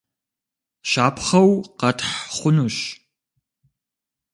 Щапхъэу къэтхь хъунущ.